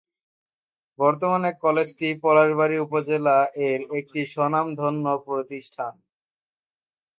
বর্তমানে কলেজটি পলাশবাড়ী উপজেলা এর একটি স্বনামধন্য প্রতিষ্ঠান।